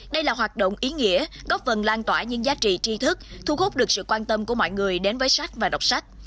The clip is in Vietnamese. đây là hoạt động ý nghĩa góp vần lan tỏa những giá trị tri thức thu hút được sự quan tâm của mọi người đến với sách và đọc sách